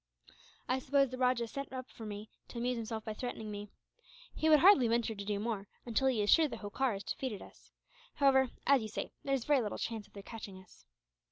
"I suppose the rajah sent up for me, to amuse himself by threatening me. He would hardly venture to do more, until he is sure that Holkar has defeated us. However, as you say, there is very little chance of their catching us."